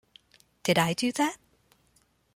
Did I do that?